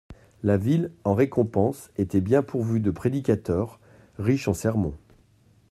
La ville, en récompense, était bien pourvue de prédicateurs, riche en sermons.